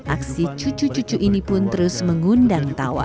aksi cucu cucu ini pun terus mengundang tawa